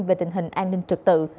về tình hình an ninh trực tự